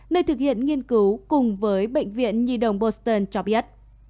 nơi thực hiện nghiên cứu cùng với bệnh viện nhi đồng bolston cho biết